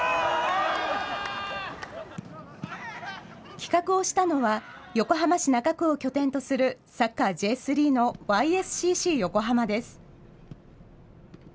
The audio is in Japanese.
企画をしたのは、横浜市中区を拠点とするサッカーＪ３のＹＳＣＣ横浜です。